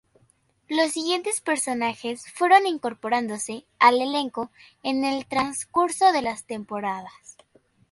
Los siguientes personajes fueron incorporándose al elenco en el transcurso de las temporadas.